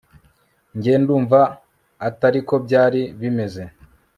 jye ndumva atari ko byari bimeze